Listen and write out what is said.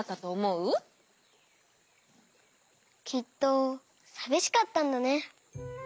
きっとさびしかったんだね。